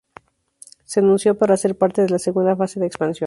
Se anunció para ser parte de la "segunda fase" de expansión.